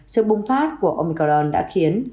sự bùng phát của omicron đã khiến